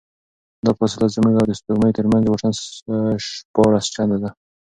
دا فاصله زموږ او د سپوږمۍ ترمنځ د واټن شپاړس چنده ده.